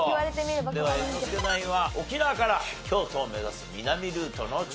では猿之助ナインは沖縄から京都を目指す南ルートの挑戦です。